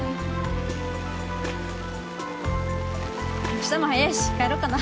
あしたも早いし帰ろうかな。